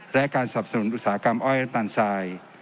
และการสับสนุนอุตสาหกรรมอ้อยน้ำตาลทราย